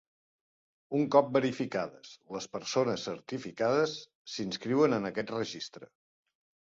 Un cop verificades, les persones certificades, s'inscriuen en aquest Registre.